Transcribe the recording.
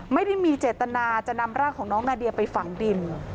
ไม่ได้มีเจตนาจะนำร่างของน้องนาเดียไปฝังดิน